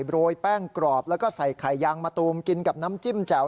โรยแป้งกรอบแล้วก็ใส่ไข่ยางมาตูมกินกับน้ำจิ้มแจ่ว